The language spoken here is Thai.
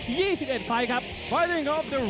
สวัสดีครับท้ายรับมวยไทยไฟเตอร์